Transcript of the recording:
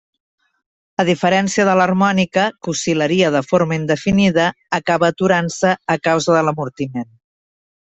A diferència de l'harmònica, que oscil·laria de forma indefinida, acaba aturant-se a causa de l'amortiment.